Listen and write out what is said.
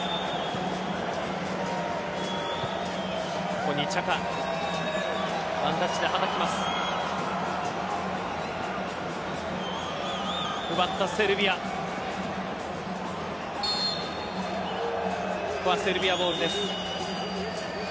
ここはセルビアボールです。